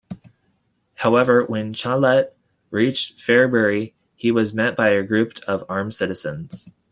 However, when Chanute reached Fairbury, he was met by a group of armed citizens.